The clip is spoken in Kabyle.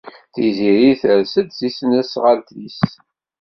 Tiziri ters-d seg tesnasɣalt-is.